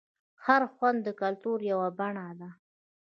هر خوند د کلتور یوه بڼه ده.